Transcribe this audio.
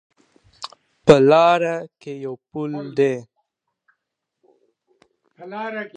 په لاره کې یو پل ده